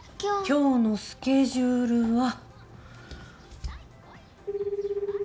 今日のスケジュールは。